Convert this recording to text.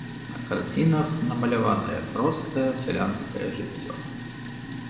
На карцінах намаляванае простае сялянскае жыццё.